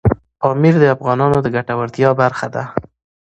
پامیر د افغانانو د ګټورتیا برخه ده.